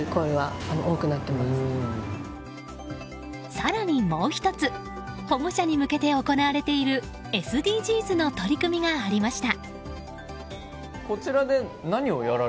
更にもう１つ保護者に向けて行われているＳＤＧｓの取り組みがありました。